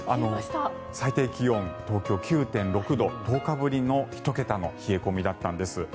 最低気温、東京９．６度１０日ぶりの１桁の冷え込みだったんです。